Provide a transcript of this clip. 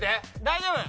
大丈夫。